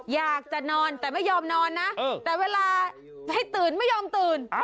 อยากจะนอนแต่ไม่ยอมนอนนะแต่เวลาให้ตื่นไม่ยอมตื่น